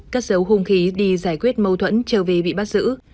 cắt dấu hùng khí đi giải quyết mâu thuẫn trở về bị bắt giữ